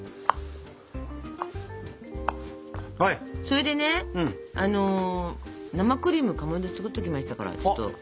それでね生クリームをかまど作っておきましたから。